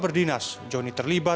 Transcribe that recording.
ada yang cerita